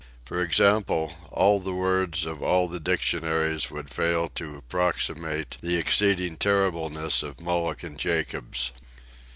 For example, all the words of all the dictionaries would fail to approximate the exceeding terribleness of Mulligan Jacobs.